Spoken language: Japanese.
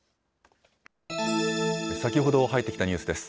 先ほど入ってきたニュースです。